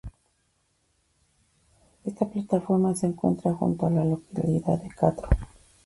Esta plataforma se encuentra junto a la localidad de Crato.